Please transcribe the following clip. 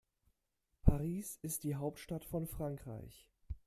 Paris ist die Hauptstadt von Frankreich.